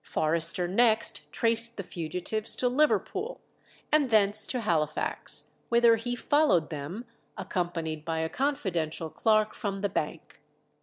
Forrester next traced the fugitives to Liverpool, and thence to Halifax, whither he followed them, accompanied by a confidential clerk from the bank.